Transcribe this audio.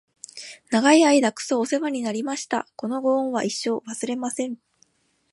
長い間クソおせわになりました！！！このご恩は一生、忘れません！！